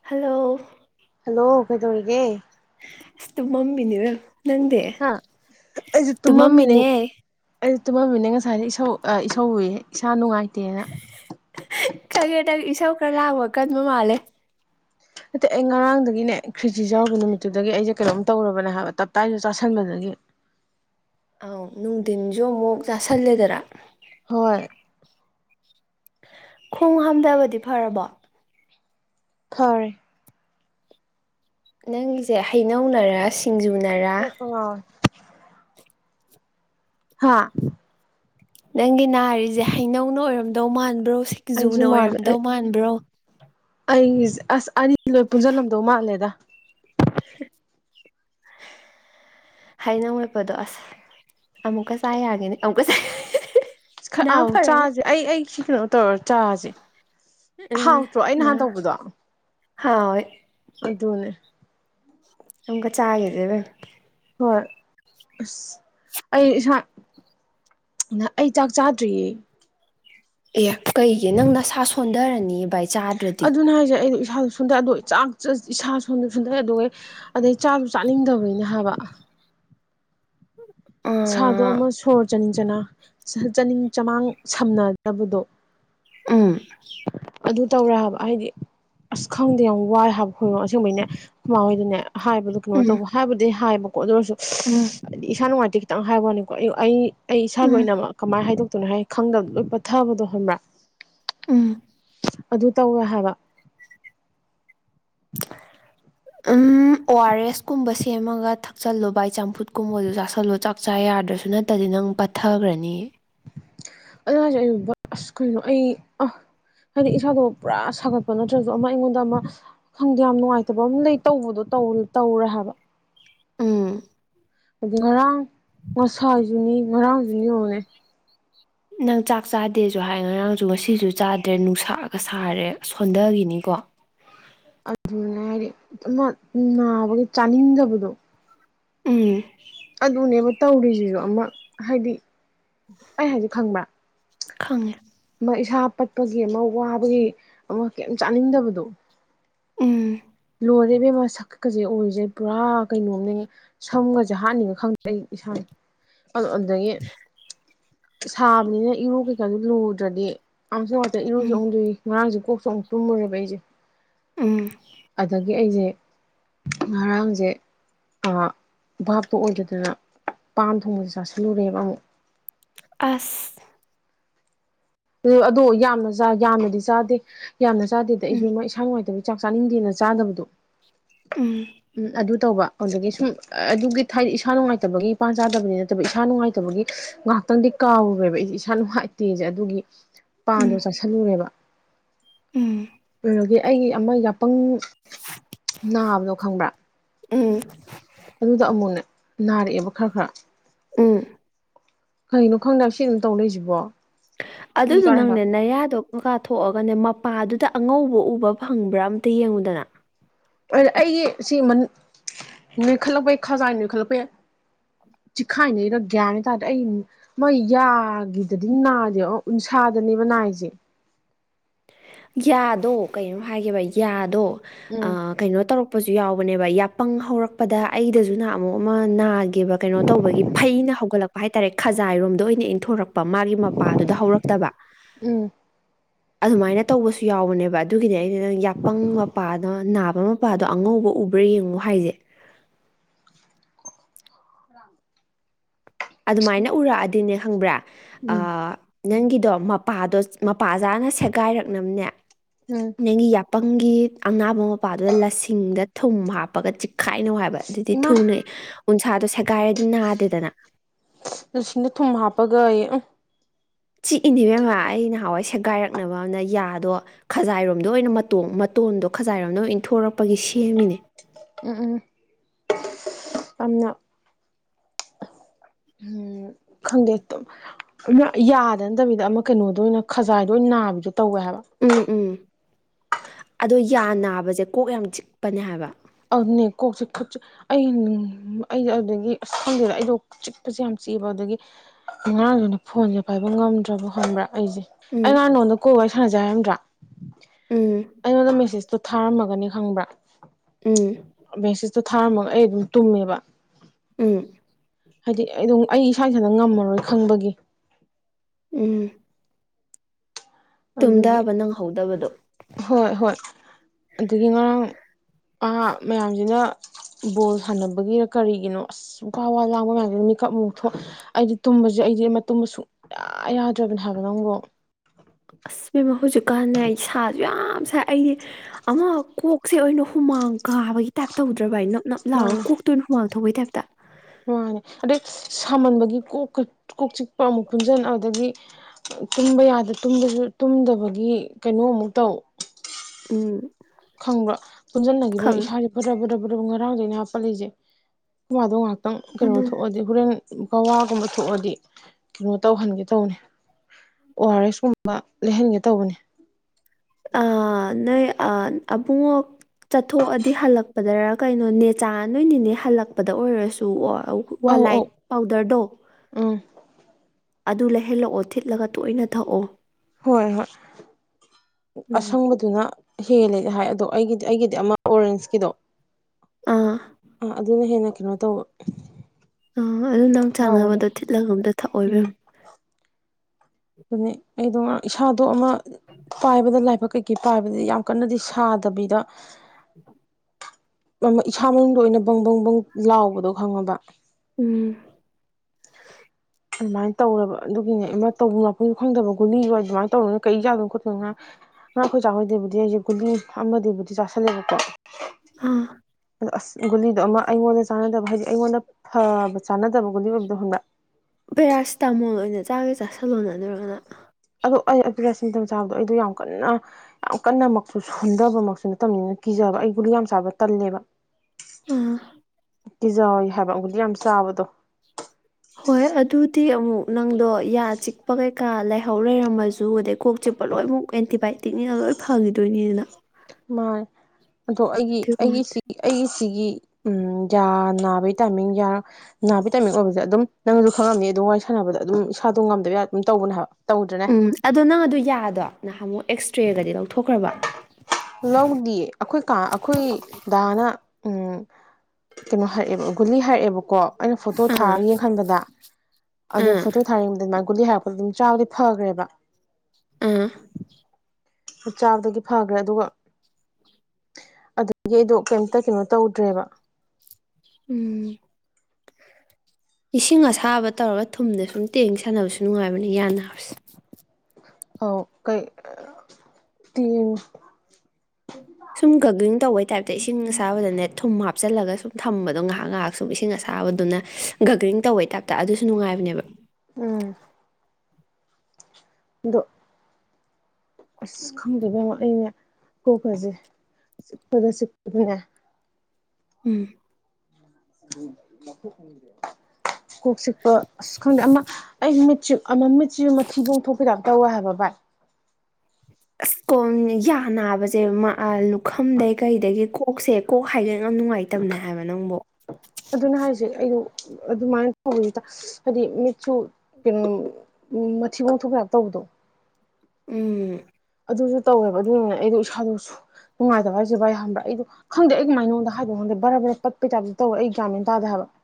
hello hello ꯀꯩꯗꯧꯔꯤꯒꯦ ꯏꯁ ꯃꯝꯃꯤꯅꯤꯔ ꯍꯥ ꯑꯩꯁꯨ ꯇꯨꯃ ꯃꯤꯅꯤ ꯇꯨꯝꯃꯝꯃꯤꯅꯦ ꯇꯨꯝꯃꯃꯤꯅꯦ ꯉꯁꯥꯏ ꯏꯁꯧ ꯏꯁꯧꯕ ꯏꯁꯥ ꯅꯨꯡꯉꯥꯏꯇꯦꯅ ꯆꯒꯦꯗ ꯏꯁꯧ ꯈꯔ ꯂꯥꯛꯕ ꯀꯟꯕ ꯃꯥꯜꯂꯦ ꯅꯠꯇ ꯑꯩ ꯉꯔꯥꯡꯗꯒꯤꯅꯦ ꯈ꯭ꯔꯤꯖꯤ ꯌꯥꯎꯒꯦ ꯅꯨꯃꯤꯠꯇ ꯑꯗꯨꯗꯒꯤ ꯑꯩꯁꯦ ꯀꯩꯅꯣꯝ ꯇꯧꯔꯕꯅꯦ ꯍꯥꯏꯕ ꯇꯞ ꯇꯥꯏꯁꯨ ꯆꯥꯁꯟꯕꯗꯒꯤ ꯑꯥꯎ ꯅꯅꯨꯡꯗꯤꯟꯁꯨ ꯑꯃꯨꯛ ꯆꯥꯁꯟꯂꯦꯗꯔꯥ ꯍꯣꯏ ꯈꯣꯡ ꯍꯥꯝꯊꯕꯗꯤ ꯐꯔꯕꯣ ꯈꯔ ꯅꯪꯒꯤꯁꯦ ꯍꯩꯅꯧꯅꯔꯥ ꯁꯤꯡꯖꯨꯅꯔꯥ ꯀꯣꯛꯀ ꯉꯥꯎꯔꯦ ꯍꯥꯥ ꯅꯪꯒꯤ ꯅꯥꯔꯤꯁꯦ ꯍꯩꯅꯧꯅ ꯑꯣꯏꯔꯝꯗꯧ ꯃꯥꯟꯕ꯭ꯔꯣ ꯑꯩꯁꯨ ꯁꯤꯡꯖꯨꯅ ꯃꯥꯜꯂꯦ ꯑꯣꯏꯔꯝꯗꯧ ꯑꯩ ꯃꯥꯟꯕ꯭ꯔꯣ ꯑꯩꯒꯤꯁꯦ ꯑꯁ ꯑꯅꯤ ꯂꯣꯏ ꯄꯨꯟꯁꯤꯜꯂꯝꯗꯧ ꯃꯥꯜꯂꯦꯗ ꯍ ꯅꯪ ꯂꯣꯠꯄꯗꯣ ꯑꯁ ꯑꯃꯨꯛꯀ ꯆꯥꯏ ꯌꯥꯒꯦꯅꯦ ꯑꯃꯨꯛꯀ ꯆꯥꯏ ꯑꯥꯎ ꯆꯥꯁꯦ ꯑꯩ ꯑꯩꯁꯤ ꯀꯩꯅꯣ ꯇꯧꯔ ꯆꯥꯁꯦ ꯍꯥꯎꯇ꯭ꯔꯣ ꯑꯩ ꯅꯍꯥꯟ ꯇꯧꯕꯗꯣ ꯍꯥꯎ ꯑꯗꯨ ꯑꯗꯨꯣꯅꯦ ꯑꯃꯀ ꯆꯥ ꯌꯦꯗꯕ ꯍꯣꯏ ꯑꯁ ꯑꯩ ꯏꯁ ꯅ ꯑꯩ ꯆꯥꯛ ꯆꯥꯗ꯭ꯔꯤꯌꯦ ꯑꯦ ꯀꯩꯒꯤꯦ ꯅꯪ ꯅꯁꯥ ꯁꯣꯟꯊꯔꯅꯤ ꯚꯥꯏ ꯆꯥꯗ꯭ꯔꯗꯤ ꯏꯁꯥꯁꯨ ꯁꯨꯟꯗꯩ ꯑꯗꯣ ꯆꯥꯛ ꯏꯁꯥ ꯁꯣꯟꯁꯨ ꯁꯨꯟꯗꯩ ꯑꯗꯨꯒ ꯑꯗꯩ ꯆꯥꯁꯨ ꯆꯥꯅꯤꯡꯗꯕꯅꯤꯅ ꯍꯥꯏꯕ ꯏꯁꯥꯗꯣ ꯑꯥ ꯑꯃ ꯁꯣꯔ ꯆꯥꯅꯤꯡ ꯆꯅꯥ ꯆꯥꯅꯤꯡ ꯆꯃꯥꯡ ꯁꯝꯅꯗꯕꯗꯣ ꯎꯝ ꯑꯗꯨ ꯇꯧꯔꯦ ꯍꯥꯏꯕ ꯍꯥꯏꯗꯤ ꯑꯁ ꯈꯪꯗꯦ ꯌꯥꯝ ꯋꯥꯏ ꯍꯥꯏꯕ ꯈꯣꯏꯔꯣ ꯑꯁꯦꯡꯕꯩꯅꯦ ꯃꯥ ꯍꯣꯏꯗꯅꯦ ꯍꯥꯏꯕꯗꯣ ꯀꯩꯅꯣ ꯎꯝ ꯇꯧꯕ ꯍꯥꯏꯕꯗꯤ ꯍꯥꯏꯕꯀꯣ ꯑꯗꯨ ꯑꯣꯏꯔꯁꯨ ꯎꯝ ꯍꯥꯏꯗꯤ ꯏꯁꯥ ꯅꯨꯡꯉꯥꯏꯇꯦ ꯈꯤꯇꯪ ꯍꯥꯏꯕꯅꯤꯀꯣ ꯑꯩ ꯑꯩ ꯏꯁꯥꯒꯤ ꯎꯝ ꯑꯣꯏꯅꯃꯛ ꯀꯃꯥꯏꯅ ꯍꯥꯏꯗꯣꯛ ꯑꯗꯨꯅ ꯍꯥꯏ ꯈꯪꯗꯕ ꯂꯣꯏ ꯄꯠꯊꯕꯗꯣ ꯍꯟꯕ꯭ꯔꯥ ꯎꯝ ꯑꯗꯨ ꯇꯧꯋꯦ ꯍꯥꯏꯕ ꯎꯝ ꯑꯣ ꯑꯥꯔ ꯑꯦꯁ ꯀꯨꯝꯕꯕꯁꯤꯦ ꯁꯦꯝꯃꯒ ꯊꯛꯆꯜꯂꯣ ꯕꯥꯏ ꯆꯝꯐꯨꯠꯀꯨꯝꯕꯗ ꯆꯥꯥꯁꯜꯂꯣ ꯆꯥꯛ ꯆꯥ ꯌꯥꯗ꯭ꯔꯁꯨ ꯅꯠꯇꯗꯤ ꯅꯪ ꯄꯠꯊꯈ꯭ꯔꯅꯤ ꯑꯁ ꯀꯅꯣ ꯑꯩ ꯑ ꯍꯥꯏꯗꯤ ꯏꯁꯥꯗꯣ ꯄꯨꯔꯥ ꯁꯥꯒꯠꯄ ꯅꯠꯇ꯭ꯔꯁꯨ ꯑꯃ ꯑꯩꯉꯣꯟꯗ ꯑꯃ ꯈꯪꯗꯦ ꯌꯥꯝ ꯅꯨꯡꯉꯥꯏꯇꯕ ꯑꯃ ꯂꯩ ꯇꯧꯕꯗꯣ ꯇꯧꯔꯦ ꯍꯥꯏꯕ ꯎꯝ ꯑꯗꯨ ꯉꯔꯥꯡ ꯉꯁꯥꯏꯁꯨꯅꯤ ꯉꯔꯥꯡꯁꯨ ꯌꯣꯉꯦ ꯅꯪ ꯆꯥꯛ ꯆꯥꯗꯦꯁꯨ ꯍꯥꯏ ꯉꯔꯥꯡꯁꯨ ꯉꯁꯤꯁꯨ ꯆꯥꯗ꯭ꯔꯦ ꯅꯨꯡꯁꯛꯑꯒ ꯁꯥꯔꯦ ꯁꯣꯟꯊꯈꯤꯅꯤꯀꯣ ꯋꯥ ꯑꯗꯨꯅꯦ ꯍꯥꯏꯗꯤ ꯅꯥꯕꯒꯤ ꯆꯥꯅꯤꯡꯗꯕꯗꯣ ꯎꯝ ꯑꯗꯨꯅꯦꯕ ꯇꯧꯔꯤꯁꯤꯁꯨ ꯑꯃꯛ ꯍꯥꯏꯗꯤ ꯑꯩ ꯍꯥꯏꯗꯤ ꯈꯪꯕ꯭ꯔꯥ ꯈꯪꯉꯦ ꯑꯃ ꯏꯁꯥ ꯄꯠꯄꯒꯤ ꯑꯃ ꯋꯥꯕꯒꯤ ꯑꯃ ꯀꯔꯤꯝ ꯆꯥꯅꯤꯡꯗꯕꯗꯣ ꯎꯝ ꯂꯣꯏꯔꯦꯕꯦꯝꯃ ꯁꯛꯀꯛꯀꯁꯦ ꯑꯣꯏꯔꯤꯁꯦ ꯄꯨꯔꯥ ꯀꯩꯅꯣꯝꯅꯦ ꯁꯝꯒꯁꯦ ꯍꯥꯠꯅꯤꯡꯉ ꯈꯪꯗꯦ ꯑꯩ ꯏꯁꯥꯅ [unintelligible] ꯑꯗꯨꯗꯒꯤ ꯁꯥꯕꯅꯤꯅ ꯏꯔꯨ ꯀꯩꯀꯥꯗꯨ ꯂꯨꯗ꯭ꯔꯗꯤ ꯑ ꯉꯇ ꯏꯔꯨꯁꯨ ꯎꯝ ꯑꯣꯨꯗꯣꯏꯏ ꯉꯔꯥꯡꯁꯦ ꯀꯣꯛꯁꯨ ꯑꯃꯨꯛ ꯇꯨꯝꯃꯨꯦꯕ ꯑꯩꯁꯦ ꯎꯝ ꯑꯗꯒꯤ ꯑꯩꯁꯦ ꯉꯔꯥꯡꯁꯦ ꯚꯥꯞꯇꯨ ꯑꯣꯏꯗꯗꯅ ꯄꯥꯥꯟ ꯊꯣꯡꯕꯁ ꯆꯥꯁꯤꯜꯂꯨꯔꯦꯕ ꯑꯃꯨꯛ ꯑꯁ ꯑꯗꯨ ꯑꯗꯣ ꯌꯥꯝꯅ ꯌꯥꯝꯅꯗꯤ ꯆꯥꯗꯦ ꯌꯥꯝꯅ ꯆꯥꯗꯦꯗ ꯎꯝ ꯑꯩꯁꯨ ꯏꯁꯥ ꯅꯨꯡꯉꯥꯏꯇꯕ ꯆꯥꯛ ꯆꯥꯅꯤꯡꯗꯦꯅ ꯆꯥꯗꯕꯗꯣ ꯎꯝ ꯎꯝ ꯑꯗꯨ ꯇꯧꯕ ꯑꯗꯒꯤ ꯁꯨꯝ ꯑꯗꯨꯒꯤ ꯊꯥꯏꯗꯤ ꯏꯁꯥ ꯅꯨꯡꯉꯥꯏꯇꯕꯒꯤ ꯏꯄꯥꯟ ꯆꯥꯗꯕꯅꯤ ꯅꯠꯇꯕ ꯏꯁꯥ ꯅꯨꯡꯉꯥꯏꯇꯕꯒꯤ ꯉꯥꯛ ꯉꯍꯥꯛꯇꯪꯗꯤ ꯀꯥꯎꯔꯨꯔꯦꯕ ꯑꯩꯁꯦ ꯏꯁꯥ ꯅꯨꯡꯉꯥꯏꯇꯦꯁꯦ ꯑꯗꯨꯒꯤ ꯎꯝ ꯄꯥꯟꯗꯣ ꯆꯥꯁꯤꯜꯂꯨꯔꯦꯕ ꯎꯝ ꯑꯗꯨꯗꯒꯤ ꯑꯩꯒꯤ ꯑꯃ ꯌꯥꯄꯪ ꯅꯥꯕꯗꯣ ꯈꯪꯕ꯭ꯔꯥ ꯎꯝ ꯑꯗꯨꯗ ꯑꯃꯨꯛꯅꯦ ꯅꯥꯔꯛꯑꯦꯕ ꯈꯔ ꯈꯔ ꯎꯝ ꯀꯩꯅꯣ ꯈꯪꯗ ꯁꯤ ꯑꯗꯨ ꯇꯧ ꯂꯩꯔꯤꯁꯤꯕꯣ ꯑꯗꯨꯗꯣ ꯅꯪꯅꯦ ꯅꯌꯥꯗꯣ ꯃꯀꯥ ꯊꯣꯛꯑꯒꯅꯦ ꯃꯄꯥꯗꯨꯗ ꯑꯉꯧꯕ ꯎꯕ ꯐꯪꯕ꯭ꯔꯥ ꯑꯝꯇ ꯌꯦꯡꯉꯨꯗꯅ ꯑꯩꯒꯤ ꯁꯤ ꯅꯣꯏꯈꯠꯂꯛꯄꯩ ꯈꯖꯥꯟ ꯅꯣꯏꯈꯠꯂꯛꯄ ꯌꯥꯏ ꯆꯤꯈꯥꯏꯅꯩꯔ ꯒꯦꯌꯥ ꯍꯥꯏ ꯇꯥꯔꯗꯤ ꯑꯩ ꯃꯣꯏ ꯌꯥꯒꯤꯗꯗꯤ ꯅꯥꯗꯦ ꯎꯟꯁꯥ ꯊꯥꯗꯅꯦꯕ ꯅꯥꯏꯁꯦ ꯌꯥꯗꯣ ꯀꯩꯅꯣꯝ ꯍꯥꯏꯒꯦꯕ ꯌꯥꯗꯣ ꯎꯝ ꯑ ꯀꯩꯅꯣ ꯇꯧꯔꯛ ꯄꯄꯁꯨ ꯌꯥꯎꯕꯅꯦꯕ ꯌꯥꯄꯪ ꯍꯧꯔꯛꯄꯗ ꯑꯩꯗꯁꯨ ꯍ ꯑꯃꯨꯛ ꯑꯃ ꯅꯥ ꯀꯩꯅꯣ ꯇꯧꯕꯒꯤ ꯐꯩꯅ ꯍꯧꯒꯠꯂꯛꯄ ꯍꯥꯏꯇꯥꯔꯦ ꯈꯖꯥꯏꯔꯣꯝꯗ ꯑꯣꯏꯅ ꯏꯟꯊꯣꯔꯛꯄ ꯃꯄꯥꯗ ꯍꯧꯔꯛꯇꯕ ꯎꯝ ꯑꯗꯨꯃꯥꯏꯅ ꯨ ꯌꯥꯎꯕꯅꯦꯕ ꯑꯗꯨꯒꯤꯅꯦ ꯑꯩꯅ ꯌꯥꯄꯪ ꯃꯄꯥꯗꯣ ꯅꯥꯕ ꯃꯃꯥ ꯃꯄꯥꯗꯣ ꯑꯉꯧꯕ ꯎꯕ꯭ꯔꯥ ꯌꯦꯡꯉꯨ ꯍꯥꯏꯁꯦ ꯑꯥꯡ [unintelligible] ꯑꯗꯨꯃꯥꯏꯅ ꯎꯔꯛꯑꯗꯤꯅꯦ ꯈꯪꯕ꯭ꯔꯥ ꯑ ꯎꯝ ꯅꯪꯒꯤꯗꯣ ꯃꯄꯥꯗꯣ ꯃꯄꯥꯖꯥꯅ ꯁꯦꯒꯥꯏꯔꯛꯅꯕꯅꯦ ꯎꯝ ꯅꯪꯒꯤ ꯄꯪꯒꯤ ꯑꯅꯥꯕ ꯃꯄꯥꯗꯨꯗ ꯂꯁꯤꯡꯗ ꯊꯨꯝ ꯍꯥꯞꯄꯒ ꯈꯥꯏꯅꯧ ꯍꯥꯏꯕ ꯑꯗꯨꯗꯤ ꯏꯃꯥ ꯊꯨꯅꯩ ꯎꯟꯁꯥꯗꯣ ꯁꯦꯒꯥꯏꯔꯗꯤ ꯅꯥꯗꯦꯗꯅ ꯂꯨꯁꯤꯡꯗ ꯊꯨꯝ ꯍꯥꯞꯄꯒ ꯑꯩ ꯑ ꯆꯤꯛꯏꯅꯦꯕꯦꯝꯃ ꯑꯩ ꯅꯍꯥꯟꯋꯥꯏ ꯁꯦꯒꯥꯏꯔꯛꯅꯕ ꯑꯃꯅ ꯌꯥꯗꯣ ꯈꯖꯥꯏꯔꯣꯝꯗꯣ ꯑꯣꯏꯅ ꯃꯇꯣꯡ ꯃꯇꯇꯣꯟꯗꯣ ꯈꯖꯥꯏꯔꯣꯝꯅ ꯏꯟꯊꯣꯔꯛꯄꯒꯤ ꯁꯦꯝꯃꯤꯅꯦ ꯎꯝ ꯎꯝ ꯑꯝ ꯎꯝ ꯈꯪꯗꯦ ꯑꯗꯨꯝ ꯌꯥꯗ ꯅꯠꯇꯕꯤꯗ ꯑꯃ ꯀꯩꯅꯣꯗ ꯑꯣꯏꯅ ꯈꯖꯥꯏꯗ ꯑꯣꯏꯅ [inaudible] ꯕꯤ ꯇꯧ ꯌꯥ ꯍꯥꯏ ꯎꯝ ꯎꯝ ꯑꯗꯣ ꯌꯥ ꯅꯥꯕꯁꯦ ꯀꯣꯛ ꯌꯥꯝ ꯆꯤꯛꯄꯅꯦ ꯍꯥꯏꯕ ꯑꯗꯨꯅꯦ ꯀꯣꯛꯁꯦ ꯈꯨꯠ ꯑꯩ ꯑꯩ ꯑꯗꯨꯗꯒꯤ ꯑꯁ ꯈꯪꯗꯦꯗ ꯑꯩꯗꯣ ꯆꯤꯛꯄꯁꯦ ꯌꯥꯝ ꯁꯤꯕ ꯑꯗꯒꯤ ꯑꯉꯥꯡꯗꯨꯅ ꯐꯣꯟꯁꯦ ꯄꯥꯏꯕ ꯉꯝꯗ꯭ꯔꯕ ꯉꯕ꯭ꯔꯥ ꯑꯩꯁꯦ ꯎꯝ ꯑꯩꯉꯍꯥꯟ ꯅꯉꯣꯟꯗ ꯀꯣꯛ ꯁꯅꯖꯔꯝꯗ꯭ꯔꯥ ꯎꯝ ꯑꯩꯉꯣꯟꯗ ꯃꯦꯁꯦꯁꯇꯣ ꯊꯥꯔꯝꯃꯒꯅꯤ ꯈꯪꯕ꯭ꯔꯥ ꯎꯝ ꯕꯦꯁꯤꯁꯇꯣ ꯊꯥꯔꯝꯃꯒ ꯑꯩ ꯑꯗꯨꯝ ꯇꯨꯝꯃꯦꯕ ꯎꯝ ꯍꯥꯏꯗꯤ ꯑꯗꯨꯝ ꯑꯩ ꯏꯁꯥ ꯏꯁꯥꯅ ꯉꯝꯃꯔꯣꯏ ꯈꯪꯕꯒꯤ ꯎꯝ ꯑꯗꯨꯒꯤ ꯇꯨꯝꯊꯕ ꯅꯪꯍꯧꯗꯕꯗꯣ ꯍꯣꯏ ꯍꯣꯏ ꯑꯗꯨꯗꯒꯤ ꯉꯔꯥꯡ ꯑ ꯃꯌꯥꯝꯁꯤꯅ ꯕꯣꯜ ꯁꯥꯟꯅꯕꯒꯤꯔ ꯀꯔꯤꯒꯤꯅꯣ ꯑꯁ ꯋꯥ ꯋꯥ ꯂꯥꯡꯕ ꯉꯁꯤ ꯃꯤꯀꯞ ꯑꯃꯨꯛ ꯊꯣꯛ ꯑꯩꯗꯤ ꯁꯦ ꯑꯩꯗꯤ ꯃꯇꯨꯝ ꯁꯨꯛꯌꯥ ꯌꯥꯗ꯭ꯔꯕꯅꯦ ꯍꯥꯏꯕ ꯅꯪꯕꯨ ꯑꯁꯃꯦ ꯃꯍꯖꯤ ꯀꯥꯟꯅꯩ ꯑꯩ ꯁꯥꯁꯨ ꯌꯥꯝ ꯁꯥꯏ ꯑꯩꯗꯤ ꯑꯃ ꯀꯣꯛꯁꯦ ꯑꯣꯏꯅ ꯍꯨꯃꯥꯡ ꯀꯥꯕꯒꯤ ꯇꯥꯏꯞ ꯇꯧꯗ ꯅꯠꯇ꯭ꯔꯚꯥꯏ ꯅꯞ ꯅꯞ ꯂꯥꯛꯑꯒ ꯀꯣꯛꯇꯣꯏꯅ ꯍꯨꯃꯜ ꯊꯧꯕꯩ ꯇꯥꯏꯞꯇ ꯑꯣ ꯗ ꯀꯣꯛ ꯆꯤꯛꯄ ꯄꯨ ꯀꯌꯥꯗꯁꯨ ꯇꯨꯝꯗꯕꯒꯤ ꯀꯩꯅꯣꯃꯨꯛ ꯇꯧ ꯎꯝ ꯈꯪꯕ꯭ꯔꯥ ꯄꯨꯟꯁꯤꯟꯅꯈꯤꯕ ꯈꯪꯉꯦ ꯏꯁꯥꯥꯁ ꯐꯗ ꯐꯠꯇ ꯕꯨ ꯉꯔꯥꯡꯗꯩꯅ ꯍꯥꯞꯄꯂꯤꯁꯦꯃꯗꯣ ꯉꯥꯏꯍꯥꯛꯇꯪ ꯑꯗꯨ ꯀꯩꯅꯣ ꯊꯣꯛꯑꯗꯤ ꯍꯣꯔꯦꯟ ꯀꯋꯥꯒꯨꯝꯕ ꯊꯣꯛꯑꯗꯤ ꯀꯩꯅꯣ ꯇꯧꯍꯟꯒꯦ ꯇꯧꯅꯤ ꯑꯣ ꯑꯥꯔ ꯑꯦꯁ ꯀꯨꯝꯕ ꯂꯩꯍꯟꯒꯦ ꯇꯧꯕꯅꯦ ꯑ ꯅꯣꯏ ꯑꯕꯨꯡꯉꯣꯛ ꯆꯠꯊꯣꯛꯑꯗꯤ ꯍꯜꯂꯛꯄꯗꯔ ꯀꯩꯅꯣꯅꯦ ꯆꯥ ꯅꯣꯏꯅꯤꯅꯦ ꯍꯛꯄ ꯑꯧ ꯑꯣꯏꯔ ꯑꯧ ꯄꯥꯎꯗꯔꯗꯣ ꯎꯝ ꯑꯗꯨ ꯂꯩꯍꯜꯂꯛꯑꯣ ꯊꯤꯠꯂꯒ ꯇꯣꯏꯅ ꯊꯛꯑꯣ ꯍꯣꯏ ꯍꯣꯏ ꯎꯝ ꯑꯁꯪꯕꯗꯨꯅ ꯍꯦꯂꯗꯤ ꯍꯥꯏ ꯑꯗꯣ ꯑꯩꯒꯤꯗꯤ ꯑꯩꯒꯤꯗꯤ ꯑꯃ ꯑꯣꯔꯦꯟꯁꯀꯤꯗꯣ ꯑꯥ ꯑꯥ ꯑꯗꯨꯅ ꯍꯦꯟꯅ ꯀꯩꯅꯣꯇꯧ ꯑ ꯑꯗꯨ ꯅꯪ ꯆꯥꯟꯅꯕꯗꯣ ꯊꯤꯠꯂꯒ ꯑꯝꯇ ꯎꯝ ꯊꯛꯑꯣꯏꯕꯨ ꯑꯗꯨꯅꯤ ꯑꯩꯗꯣ ꯏꯁꯥꯗꯣ ꯑꯃ ꯄꯥꯏꯕꯗ ꯂꯥꯏꯕꯛ ꯀꯩꯀꯩ ꯄꯥꯏꯕꯗꯗꯤ ꯌꯥꯝ ꯀꯟꯅꯗꯤ ꯁꯥꯗꯦ ꯐꯗꯕꯤꯗ [unintelligible] ꯏꯁꯥ ꯃꯅꯨꯡꯗ ꯑꯣꯏꯅ ꯕꯪꯕꯣꯡ ꯕꯣꯡ ꯂꯥꯎꯕꯗꯣ ꯈꯪꯉꯕ ꯎꯝ ꯑꯗꯨꯃꯥꯏꯅ ꯇꯧꯔꯕ ꯑꯗꯨꯒꯤꯅꯦ ꯇꯧꯕ ꯉꯄꯅꯣ ꯈꯪꯗꯕ ꯒꯨꯅꯤꯒꯤ ꯑꯗꯨꯃꯥꯏꯅ ꯇꯧꯅꯤꯅ ꯀꯩ ꯆꯥꯗꯅ ꯈꯣꯠꯇꯅ ꯉꯥ ꯑꯩꯈꯣꯏ ꯆꯥꯍꯣꯏꯗꯦꯕꯨꯗꯤ ꯑꯩꯁꯦ ꯒꯨꯂꯤ ꯑꯃꯗꯤꯕꯨꯗꯤ ꯆꯥꯥꯁꯜꯂꯦꯕꯀꯣ ꯑꯥ ꯑ ꯑꯁ ꯒꯨꯂꯤꯗꯣ ꯑꯃ ꯑꯩꯉꯣꯟꯗ ꯆꯥꯟꯅꯗꯕ ꯍꯥꯏꯗꯤ ꯑꯩꯉꯣꯟꯗ ꯐꯕ ꯆꯥꯟꯅꯗꯕ ꯒꯨꯂꯤ ꯑꯣꯏꯕꯗꯣ ꯍꯨꯕ꯭ꯔ ꯄꯦꯔꯥꯁꯤꯇꯥꯃꯣꯜ ꯑꯣꯏꯅ ꯆꯥꯒꯦ ꯆꯥꯁꯤꯜꯂꯣꯅ ꯑꯗꯨꯔꯒꯅ ꯑꯗꯣ ꯑꯩ ꯑꯗꯨꯔꯦꯁ ꯅꯤꯡꯇꯝ ꯆꯥꯕꯗꯣ ꯑꯩꯗꯣ ꯌꯥꯝ ꯀꯟꯅ ꯌꯥꯝ ꯀꯟꯅꯃꯛꯁꯨ ꯁꯣꯟꯊꯕꯃꯛꯁꯨ ꯅꯠꯇꯕꯅꯤꯅ ꯀꯤꯖꯕ ꯑꯩꯕꯨꯗꯤ ꯌꯥꯝ ꯆꯕ ꯇꯜꯂꯦꯕ ꯑ ꯀꯤꯖꯥꯎꯤ ꯍꯥꯏꯕ ꯑꯩꯈꯗꯤ ꯌꯥꯝ ꯆꯥꯕꯗꯣ ꯍꯣꯏ ꯑꯗꯨꯗꯤ ꯑꯃꯨꯛ ꯅꯪꯗꯣ ꯌꯥ ꯆꯤꯛꯄ ꯀꯩꯀꯥ ꯂꯩꯍꯧ ꯂꯩꯔꯝꯃꯁꯨꯨ ꯑꯗꯩ ꯀꯣꯛ ꯆꯤ ꯆꯣꯞꯄ ꯂꯣꯏꯃꯨꯛ ꯑꯦꯟꯇꯤꯕꯥꯏꯑꯣꯇꯤꯛꯅꯤꯅ ꯂꯣꯏ ꯐꯪꯈꯤꯗꯣꯏꯅꯦꯅ ꯃꯥ ꯑꯗꯣ ꯑꯩꯒꯤ ꯑꯩꯒꯤꯁꯤ ꯑꯩꯒꯤ ꯁꯤꯒꯤ ꯌꯥ ꯅꯥꯕꯒꯤ ꯇꯥꯏꯃꯤꯡ ꯌꯥꯔ ꯅꯥꯕꯒꯤ ꯇꯥꯏꯃꯤꯡ ꯑꯣꯏꯕꯁꯦ ꯑꯗꯨꯝ ꯅꯪꯁꯨ ꯈꯪꯉꯝꯅꯤ ꯑꯗꯨꯝ ꯋꯥꯔꯤ ꯁꯥꯟꯅꯕꯗ ꯑꯗꯨꯝ ꯏꯁꯥꯗꯣ ꯉꯝꯗꯕ ꯌꯥ ꯑꯗꯨꯝ ꯇꯧꯕꯅꯦ ꯍꯥꯏꯕ ꯇꯧꯗ꯭ꯔꯅꯦ ꯎꯝ ꯑꯗꯣ ꯅꯪ ꯑꯗꯨ ꯌꯥꯗꯣ ꯅꯍꯥꯟ ꯑꯃꯨꯛ ꯑꯦꯛꯁ ꯔꯦꯒꯗꯤ ꯂꯧ ꯂꯧꯗꯤꯌꯦ ꯑꯩꯈꯣꯏ ꯀꯥ ꯑꯩꯈꯣꯏ ꯗꯥꯅ ꯎꯝ ꯀꯩꯅꯣ ꯍꯥꯏꯔꯛꯑꯦꯕ ꯒꯨꯂꯤ ꯍꯥꯏꯔꯛꯑꯦꯕꯀꯣ ꯑꯩꯅ ꯐꯣꯇꯣ ꯑꯥ ꯊꯥꯔꯒ ꯌꯦꯡ ꯈꯟꯕꯗ ꯑꯗꯣ ꯑꯥ ꯐꯣꯇꯣ ꯊꯥꯔꯤꯕꯗꯗꯨ ꯑꯗꯨꯃꯥꯏꯅ ꯒꯨꯂꯤ ꯍꯥꯏꯔꯛꯄ ꯑꯗꯨꯝ ꯆꯥꯕꯗꯤ ꯐꯈ꯭ꯔꯦꯕ ꯑꯥ ꯆꯥꯕꯗꯒꯤ ꯐꯈ꯭ꯔꯦ ꯑꯗꯨꯒ ꯑꯗꯨꯗꯒꯤ ꯑꯩꯗꯣ ꯀꯩꯝꯇ ꯀꯩꯅꯣ ꯇꯧꯗ꯭ꯔꯦꯕ ꯎꯝ ꯏꯁꯤꯡ ꯑꯁꯥꯕ ꯇꯧꯔꯒ ꯊꯨꯝꯗ ꯁꯨꯝ ꯇꯦꯡ ꯁꯥꯟꯅꯕꯁꯨ ꯅꯨꯡꯉꯥꯏꯕꯅꯤ ꯌꯥꯟꯅ ꯍꯥꯏꯕꯁꯦ ꯑꯣ ꯀꯩ ꯇ ꯁꯨꯝ ꯒꯒ꯭ꯂꯤꯡ ꯇꯧꯕꯩ ꯇꯥꯏꯞꯇ ꯏꯁꯤꯡ ꯑꯁꯥꯕꯗꯅꯦ ꯊꯨꯝ ꯍꯥꯞꯆꯤꯜꯂꯒ ꯁꯨꯝ ꯊꯝꯕꯗꯣ ꯉꯥꯏꯍꯥꯛ ꯉꯥꯏꯍꯥꯛ ꯁꯨꯝ ꯏꯁꯤꯡ ꯑꯁꯥꯕ ꯇꯥꯕꯗꯨꯅ ꯒꯒ꯭ꯔꯤꯡ ꯇꯧꯕꯩ ꯇꯥꯏꯞꯇ ꯑꯗꯨꯁꯨ ꯅꯨꯡꯉꯥꯏꯕꯅꯦꯕ ꯎꯝ ꯑꯗꯣ ꯑꯁ ꯈꯪꯗꯕꯩ ꯑꯃꯨꯛ ꯑꯩꯅꯦ ꯀꯣꯛꯀꯁꯦ ꯁꯤꯄꯗ ꯁꯤꯄꯗꯨꯉ ꯎꯝ ꯀꯣꯛ ꯆꯤꯛꯄ ꯑ ꯈꯪꯗꯦ ꯑꯃ ꯑꯩ ꯅꯨ ꯑꯃꯝ ꯃꯆꯤ ꯃꯊꯤ ꯄꯣꯡꯊꯣꯛꯄꯤꯗ ꯇꯧꯋꯦ ꯍꯥꯏꯕ ꯚꯥꯏ ꯑꯁ ꯀꯣ ꯌꯥꯕꯁꯦ ꯂꯨꯈꯝꯗꯩ ꯀꯩꯗꯒꯤ ꯀꯣꯛꯁꯦ ꯀꯣꯛ ꯍꯥꯏꯒ ꯌꯥꯝ ꯅꯨꯡꯉꯥꯏꯇꯕꯅꯦ ꯍꯥꯏꯕ ꯅꯪꯕꯨ ꯑꯗꯨꯅ ꯍꯥꯏꯁꯦ ꯑꯩꯗꯣ ꯑꯗꯨꯃꯥꯏꯅ ꯇꯧꯕꯅꯤꯗ ꯍꯥꯏꯗꯤ ꯃꯤꯠꯁꯨ ꯀꯩꯅꯣ ꯃꯊꯤ ꯑꯣꯟꯊꯣꯛꯄ ꯌꯥ ꯇꯧꯕꯗ ꯇꯣ ꯎꯝ ꯑꯗꯨꯁꯨ ꯇꯧꯋꯦꯕ ꯑꯗꯨꯅꯤꯅ ꯑꯩꯗꯣ ꯏꯁꯥꯗꯣꯁꯨ ꯅꯨꯡꯉꯥꯏꯕ ꯍꯥꯏꯁ ꯚꯏ ꯍꯕ꯭ꯔꯥ ꯑꯩꯣ ꯈꯪꯗꯦ ꯑꯩꯒꯤꯃꯥꯏꯅꯣꯗꯕ ꯈꯪꯗꯦ ꯕꯔꯥꯕꯔꯥꯠꯄ ꯇꯥꯏꯞꯇ ꯇꯧꯦ ꯑꯩ ꯒ꯭ꯌꯥꯃꯤꯦꯟ ꯇꯥꯗ ꯍꯥꯏꯕ [inaudible]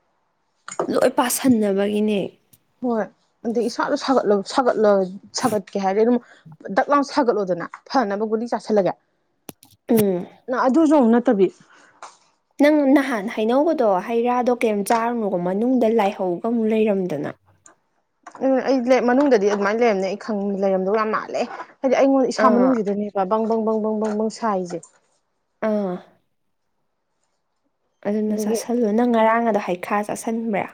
ꯂꯣꯏ ꯄꯁꯤꯟꯅꯕꯒꯤꯅꯦ ꯍꯣꯏ ꯑꯗꯒꯤ ꯏꯁꯥꯗꯠꯠꯂ ꯁꯥꯒꯠꯀꯦ ꯍꯥꯏꯔꯗꯤ ꯑꯗꯨꯝ ꯗꯛ ꯂꯥꯎ ꯁꯥꯒꯠꯂꯣꯗꯅ ꯐꯅꯕ ꯒꯨꯂꯤ ꯆꯥꯁꯤꯜꯂꯒꯦ ꯎꯝ ꯅꯪ ꯑꯗꯨꯁꯨ ꯇꯕꯤ ꯅꯪ ꯅꯍꯥꯟ ꯍꯩꯅꯧꯕꯗꯣ ꯍꯩ ꯔꯥꯗꯣ ꯀꯩꯝ ꯆꯥꯔꯨꯅꯨꯕꯣ ꯃꯅꯨꯡꯗ ꯂꯥꯏꯍꯧꯒ ꯑꯃꯨꯛ ꯂꯩꯔꯝꯗꯅ ꯎꯝ ꯑꯩ ꯃꯅꯨꯡꯗꯗꯤ ꯑꯗꯨꯃꯥꯏꯅ ꯂꯩꯔꯝꯅꯦ ꯑꯩ ꯈꯪ ꯂꯩꯔꯝꯗꯧ ꯌꯥꯝ ꯃꯥꯜꯂꯦ ꯍꯥꯏꯗꯤ ꯑꯩꯉꯣꯟꯗ ꯏꯁꯥ ꯑꯥ ꯃꯅꯨꯡꯁꯤꯗꯅꯦꯕ ꯕꯪꯕꯪ ꯕꯪꯕꯪ ꯕꯪꯕꯪ ꯁꯥ ꯍꯥꯏꯁꯦ ꯑꯥ ꯑꯗꯨꯅ ꯑꯗꯒꯤ ꯆꯥꯁꯜꯂꯨ ꯅꯪ ꯉꯔꯥꯡ ꯑꯗꯣ ꯍꯩꯈꯥ ꯆꯥꯁꯟꯕ꯭ꯔꯥ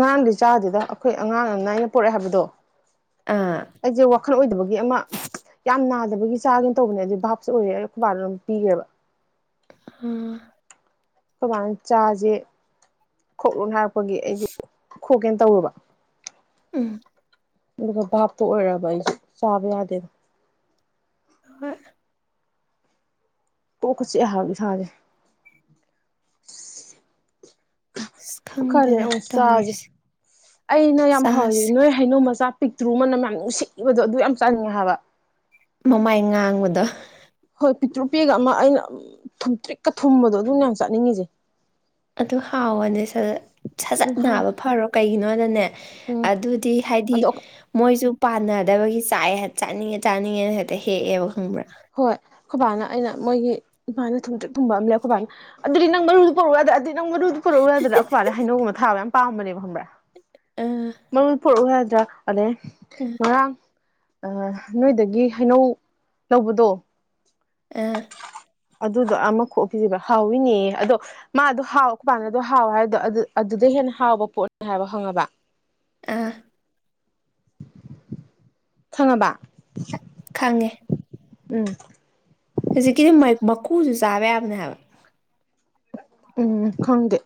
ꯑꯉꯥꯡꯒꯤ ꯆꯥꯗꯨꯗ ꯑꯩꯈꯣꯏ ꯑꯉꯥꯡ ꯑꯃ ꯑꯩꯅ ꯄꯨꯔꯛꯑꯦ ꯍꯥꯏꯕꯗꯣ ꯑꯥ ꯑꯩꯁꯦ ꯋꯥꯈꯜ ꯑꯣꯏꯗꯕꯒꯤ ꯑꯃ ꯌꯥꯝ ꯕꯒꯤ ꯆꯥꯒꯦꯅ ꯇꯧꯕꯅꯦ ꯑꯗꯨꯗꯤ ꯚꯥꯞꯁꯨ ꯑꯣꯏꯔꯦ ꯈꯨꯕꯥꯗ ꯑꯗꯨꯝ ꯄꯤꯈ꯭ꯔꯦꯕ ꯑꯥ ꯈ ꯃ ꯆꯥꯖꯤꯦ ꯈꯣꯛꯂꯨ ꯍꯥꯏꯔꯛꯄꯒꯤ ꯑꯩꯗꯨ ꯈꯣꯛꯀꯦꯅ ꯇꯧꯔꯨꯕ ꯎꯝ ꯃ ꯕꯥꯄ ꯑꯣꯏꯔ ꯏ ꯆꯥꯕꯍꯗꯅ ꯍꯣꯏ ꯄꯨꯣꯈꯁ ꯑꯦꯍꯒꯤ ꯁꯥꯖꯦ ꯑꯁ ꯈꯜꯂꯦ ꯈꯪꯗꯦꯗ ꯑꯃꯨ ꯆꯥꯁꯦ ꯇꯧꯔꯤꯁꯦ ꯑꯩꯅ ꯌꯥꯝ ꯍꯥꯎ ꯆꯥꯁꯦ ꯅꯣꯏ ꯍꯩꯅꯣꯃꯆꯥ ꯄꯤꯛꯇ꯭ꯔꯨ ꯃꯅ ꯃꯌꯥꯝ ꯅꯨꯡꯁꯤꯏꯕꯗꯣ ꯑꯗꯨ ꯌꯥꯝ ꯆꯥꯅꯤꯡꯉꯦ ꯍꯥꯏꯕ ꯃꯃꯥꯏ ꯉꯥꯡꯕꯗ ꯍꯣꯏ ꯄꯤꯛꯇ꯭ꯔꯨ ꯄꯦꯒ ꯑꯃ ꯑꯩꯅ ꯊꯨꯝꯇ꯭ꯔꯤꯛꯀ ꯊꯨꯝꯕꯗꯣ ꯑꯗꯨꯝ ꯌꯥꯝ ꯆꯠꯅꯤꯡꯉꯤꯁꯦ ꯑꯗꯨ ꯍꯥꯎꯋꯅꯦ ꯁꯠ ꯁꯖꯠ ꯎꯝ ꯍꯥ ꯅꯥꯕ ꯐꯔꯣ ꯀꯩꯒꯤꯅꯣꯅꯅꯦ ꯎꯝ ꯑꯗꯨꯗꯤ ꯍꯥꯏꯗꯤ ꯑꯗꯣ ꯃꯣꯏꯁꯨ ꯄꯥꯟꯅꯗꯕꯒꯤ ꯆꯥꯛ ꯆꯥꯅꯤꯡꯉꯦ ꯆꯥꯅꯤꯡꯉꯦꯅ ꯍꯦꯛꯇ ꯍꯦꯛꯑꯦꯕ ꯈꯪꯕ꯭ꯔꯥ ꯍꯣꯏ ꯈꯨꯣꯏꯕꯥꯥꯛꯅ ꯑꯩꯅ ꯃꯣꯏꯒꯤ ꯏꯃꯥꯅ ꯊꯨꯝꯦꯛ ꯊꯨꯝꯕ ꯑꯃ ꯂꯩ ꯈꯨꯣꯏꯕꯥꯛꯅ ꯑꯗꯨꯗꯤ ꯅꯪ ꯃꯔꯨꯗꯨ ꯄꯔꯛ ꯌꯥꯗ꯭ꯔꯦ ꯑꯗꯨꯗꯤ ꯅꯪ ꯃꯔꯨꯗꯨ ꯄꯨꯔꯛꯎ ꯌꯥꯗꯅ ꯑꯩꯀꯄꯗ ꯍ ꯍꯥꯏꯩꯅꯧꯒꯨꯝꯕ ꯊꯥꯕ ꯌꯥꯝ ꯄꯥꯝꯕꯅꯦꯕ ꯈꯪꯕ꯭ꯔꯥ ꯑꯥ ꯃꯔꯨ ꯄꯨꯔꯛꯎ ꯍꯥꯏꯗ꯭ꯔꯥ ꯑꯗꯩ ꯉꯔꯥꯡ ꯑ ꯅꯣꯏꯗꯒꯤ ꯍꯩꯅꯧ ꯂꯧꯕꯗꯣ ꯑ ꯑꯗꯨꯗꯣ ꯑꯃ ꯀꯣꯛꯄꯤꯁꯦꯕ ꯍꯥꯎꯋꯤꯅꯦ ꯑꯗꯣ ꯃꯥꯗꯣ ꯍꯥꯎ ꯀꯄꯥꯟꯗꯣ ꯍꯥꯎ ꯍꯥꯏꯗꯣ ꯑꯗꯨꯗ ꯍꯦꯟꯅ ꯍꯥꯎꯕ ꯄꯣꯠꯅꯤ ꯍꯥꯏꯕ ꯍꯪꯉꯕ ꯑ ꯊꯉꯕ ꯈꯪꯉꯦ ꯎꯝ ꯍꯧꯖꯤꯛꯀꯤꯗꯤ ꯃꯀꯨꯁꯨ ꯆꯥꯕ ꯌꯥꯕꯅꯦ ꯍꯥꯏꯕ ꯎꯝ ꯍꯪꯗꯦ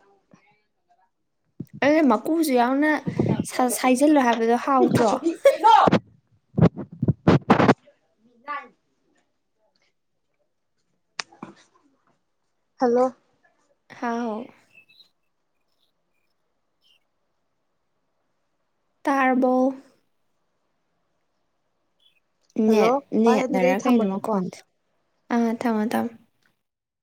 ꯑꯗꯨꯅ ꯃꯀꯨꯁꯨ ꯌꯥꯎꯅ [unintelligible] ꯁꯥꯏꯖꯤꯜꯂꯣ ꯍꯥꯏꯕꯗꯣ ꯍꯥꯎꯇ꯭ꯔꯣ ꯣ [unintelligible] ꯍꯜꯂꯣ ꯍꯥꯎ ꯇꯥꯔꯔꯕꯣ ꯍꯜꯂꯣ ꯅꯦꯠ ꯚꯥꯏ ꯑꯗꯨꯗꯤ ꯅꯦꯠꯂꯔ ꯑꯩ ꯀꯩꯅꯣ ꯊꯝꯃꯒꯦꯀꯣ ꯃꯈꯣꯟꯗꯦ ꯑꯥ ꯊꯝꯃꯣ ꯊꯝꯃꯣ